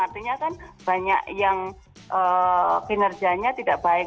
artinya kan banyak yang kinerjanya tidak baik